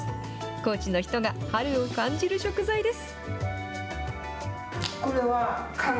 高知の人が春を感じる食材です。